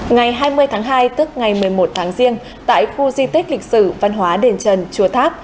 ngày hai mươi tháng hai tức ngày một mươi một tháng riêng tại khu di tích lịch sử văn hóa đền trần chùa tháp